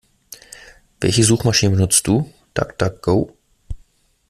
Welche Suchmaschiene benutzt du? DuckDuckGo?